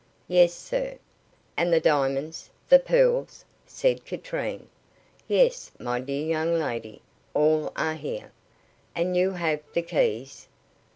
"Yes, sir." "And the diamonds the pearls?" said Katrine. "Yes, my dear young lady, all are here." "And you have the keys?"